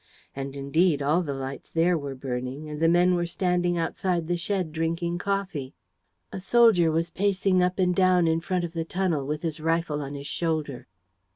And indeed all the lights there were burning; and the men were standing outside the shed, drinking coffee. A soldier was pacing up and down in front of the tunnel, with his rifle on his shoulder.